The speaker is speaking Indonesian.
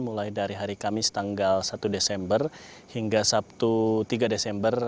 mulai dari hari kamis tanggal satu desember hingga sabtu tiga desember